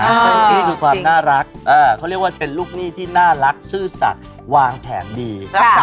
ใช่นี่คือความน่ารักเขาเรียกว่าเป็นลูกหนี้ที่น่ารักซื่อสัตว์วางแผนดี